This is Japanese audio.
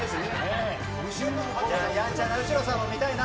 やんちゃな後呂さんも見たいな。